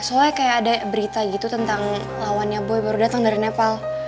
soalnya kayak ada berita gitu tentang lawannya boy baru datang dari nepal